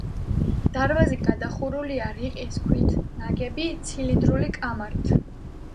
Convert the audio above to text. დარბაზი გადახურულია რიყის ქვით ნაგები ცილინდრული კამარით.